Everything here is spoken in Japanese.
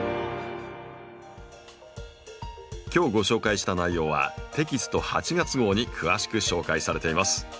今日ご紹介した内容はテキスト８月号に詳しく紹介されています。